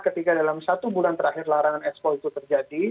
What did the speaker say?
ketika dalam satu bulan terakhir larangan ekspor itu terjadi